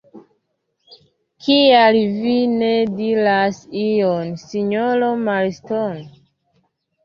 Kial vi ne diras ion, sinjoro Marston?